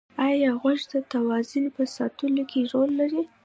ایا غوږ د توازن په ساتلو کې رول لري؟